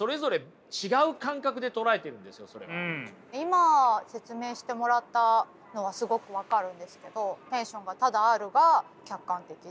今説明してもらったのはすごく分かるんですけどテンションがただあるが客観的で。